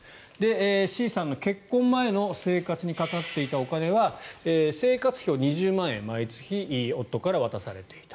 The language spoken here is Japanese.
Ｃさんの離婚前の生活にかかっていたお金は生活費を２０万円毎月夫から渡されていた。